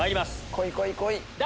こいこいこい！